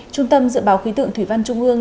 trung tâm dự báo khí tượng thủy văn trung ương